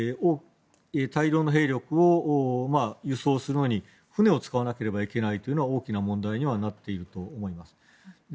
大量の兵力を輸送するのに船を使わなければいけないのは大きな問題になっていると思います。